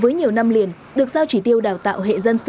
với nhiều năm liền được giao chỉ tiêu đào tạo hệ dân sự